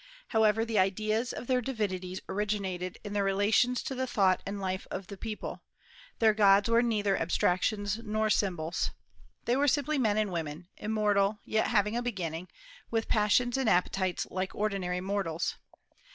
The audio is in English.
However the ideas of their divinities originated in their relations to the thought and life of the people, their gods were neither abstractions nor symbols. They were simply men and women, immortal, yet having a beginning, with passions and appetites like ordinary mortals.